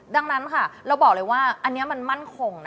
ดังนั้นค่ะเราบอกเลยว่าอันนี้มันมั่นคง